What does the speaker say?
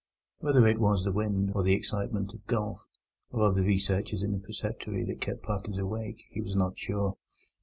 Whether it was the wind, or the excitement of golf, or of the researches in the preceptory that kept Parkins awake, he was not sure.